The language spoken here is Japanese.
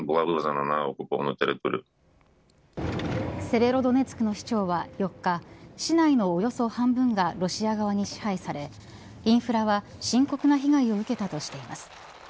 セベロドネツクの市長は４日市内のおよそ半分がロシア側に支配されインフラは深刻な被害を受けたとしています。